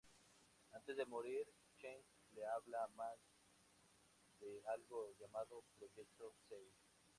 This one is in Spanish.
Antes de morir, Cheng le habla Max de algo llamado "Proyecto Zeus".